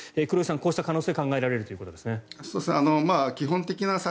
黒井さん、こうした可能性が考えられるということですね。